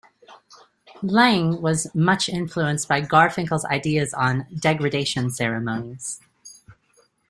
Laing, was much influenced by Garfinkel's ideas on 'degradation ceremonies'.